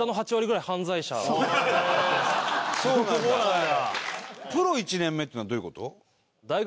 そうなんだ。